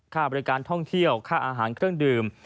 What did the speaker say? ค่าบริการท่องเที่ยวค่าอาหารเครื่องดื่ม